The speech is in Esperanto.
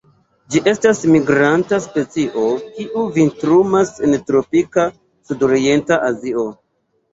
Ĝi estas migranta specio, kiu vintrumas en tropika sudorienta Azio.